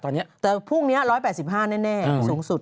แต่พรุ่งนี้๑๘๕แน่สูงสุด